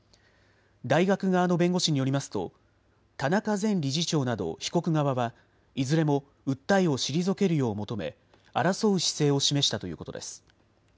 大学側の弁護士によりますと田中前理事長など被告側はいずれも訴えを退けるよう求め争う姿勢を示したということです。